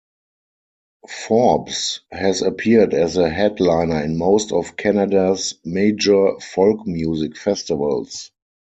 Forbes has appeared as a headliner in most of Canada's major folk music festivals.